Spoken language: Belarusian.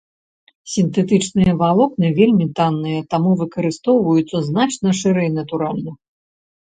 Сінтэтычныя валокны вельмі танныя, таму выкарыстоўваюцца значна шырэй натуральных.